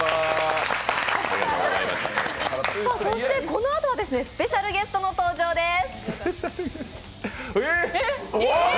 このあとはスペシャルゲストの登場です。